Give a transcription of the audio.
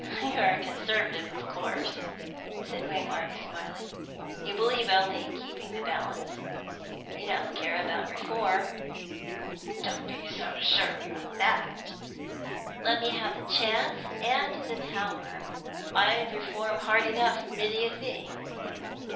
"You're a Conservative, of course," said Waymark, smiling. "You believe only in keeping the balance. You don't care about reform." "Don't be so sure of that. Let me have the chance and the power, and I'd reform hard enough, many a thing."